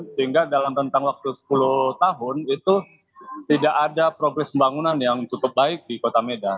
sehingga dalam rentang waktu sepuluh tahun itu tidak ada progres pembangunan yang cukup baik di kota medan